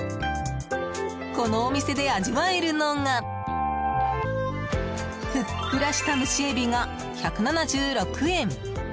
このお店で味わえるのがふっくらした蒸えびが１７６円